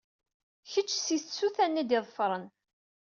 Kečč si tsuta-nni i d-iḍefren.